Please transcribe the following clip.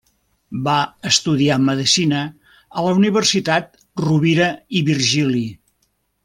Va estudiar medicina a la Universitat Rovira i Virgili.